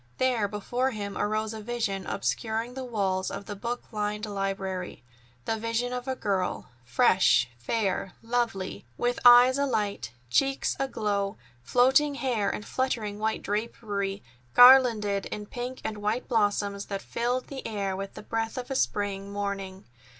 There before him arose a vision obscuring the walls of the book lined library—the vision of a girl, fresh, fair, lovely, with eyes alight, cheeks aglow, floating hair, and fluttering white drapery, garlanded in pink and white blossoms that filled the air with the breath of a spring morning.